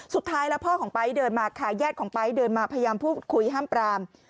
สุดท้ายแล้วพ่อของไป๊เดินมาค่ะญาติของไป๊เดินมาพยายามพูดคุยห้ามปราม